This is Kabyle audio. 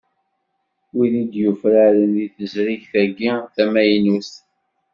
Wid i d-yufraren deg teẓrigt-agi tamaynut.